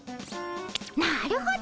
なるほど！